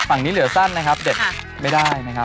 ฝั่งนี้เหลือสั้นนะครับเด็ดไม่ได้นะครับ